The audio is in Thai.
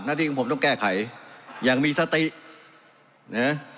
ที่ของผมต้องแก้ไขอย่างมีสตินะ